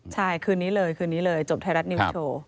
ใช่คืนนี้เลยคืนนี้เลยจบไทยรัฐนิวโชว์